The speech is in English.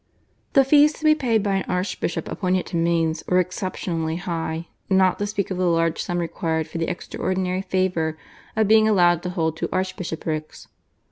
The fees to be paid by an archbishop appointed to Mainz were exceptionally high not to speak of the large sum required for the extraordinary favour of being allowed to hold two archbishoprics.